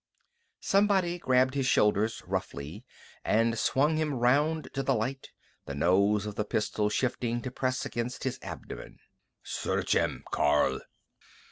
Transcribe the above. Somebody grasped his shoulders roughly and swung him round to the light, the nose of the pistol shifting to press against his abdomen. "Search him, Karl."